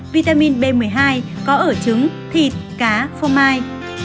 vitamin b một mươi hai có ở trứng thịt cá phô mai